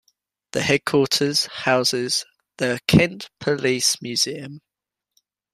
The headquarters houses the Kent Police Museum.